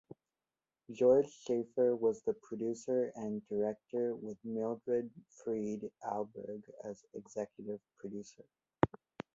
George Schaefer was the producer and director with Mildred Freed Alberg as executive producer.